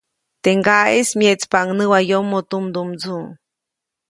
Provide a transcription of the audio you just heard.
Teʼ ŋgaʼeʼis myeʼtspaʼuŋ näwayomoʼ tumdumndsuʼ.